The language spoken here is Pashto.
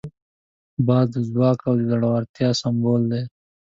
باز د ځواک او زړورتیا سمبول دی